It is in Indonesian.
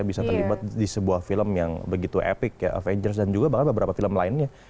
bisa terlibat di sebuah film yang begitu epic avengers dan juga bahkan beberapa film lainnya